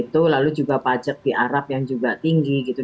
lalu juga pajak di arab yang juga tinggi gitu